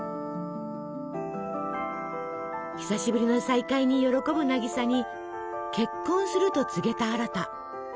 久しぶりの再会に喜ぶ渚に結婚すると告げたアラタ。